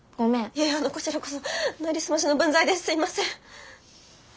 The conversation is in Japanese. いやこちらこそなりすましの分際ですいません。